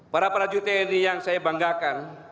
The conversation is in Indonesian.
para para judi ini yang saya banggakan